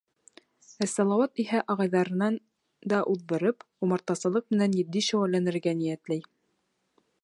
Ә Салауат иһә ағайҙарынан да уҙҙырып, умартасылыҡ менән етди шөғөлләнергә ниәтләй.